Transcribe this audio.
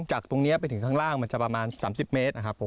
จากตรงนี้ไปถึงข้างล่างมันจะประมาณ๓๐เมตรนะครับผม